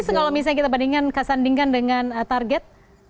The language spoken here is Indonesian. tapi kalau misalnya kita bandingkan kesandingkan dengan target